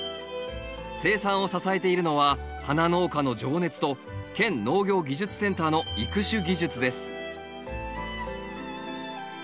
生産を支えているのは花農家の情熱と県農業技術センターの育種技術です